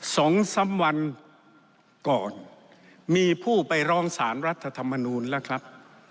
สองสามวันก่อนมีผู้ไปร้องสารรัฐธรรมนูลแล้วครับ